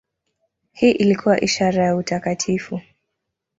Hii ilikuwa ishara ya utakatifu.